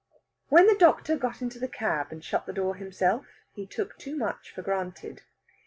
When the doctor got into the cab and shut the door himself, he took too much for granted.